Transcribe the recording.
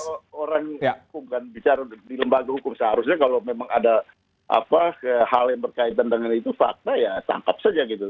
karena orang hukum kan bicara di lembaga hukum seharusnya kalau memang ada hal yang berkaitan dengan itu fakta ya tangkap saja gitu